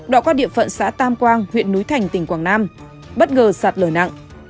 đọa qua địa phận xã tam quang huyện núi thành tỉnh quảng nam bất ngờ sạt lờ nặng